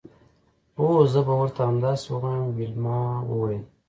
هو زه به ورته همداسې ووایم ویلما وویل